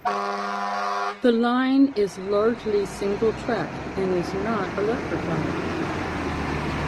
The line is largely single track and is not electrified.